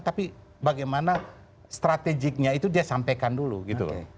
tapi bagaimana strategiknya itu dia sampaikan dulu gitu loh